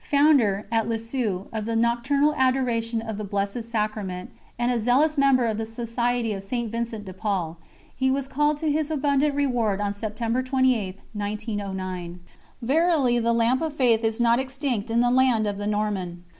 Founder, at Lisieux, of the Nocturnal Adoration of the Blessed Sacrament, and a zealous member of the Society of St. Vincent de Paul, he was called to his abundant reward on September 28, 1909. Verily the lamp of faith is not extinct in the land of the Norman.